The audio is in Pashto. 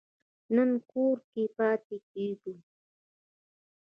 نن کور کې پاتې کیږو